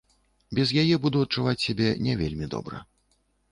Без яе буду адчуваць сябе не вельмі добра.